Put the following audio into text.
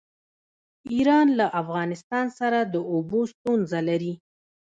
ایران له افغانستان سره د اوبو ستونزه لري.